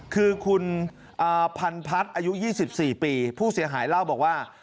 คือคุณพันพัฒน์อายุ๒๔ปีผู้เสียหายเล่าบอกว่า